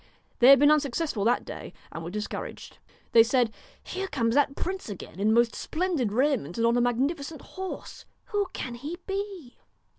They had been unsuccessful that day and were discouraged. They said :' Here comes that prince again in most splendid raiment and on a magnifi cent horse. Who can he be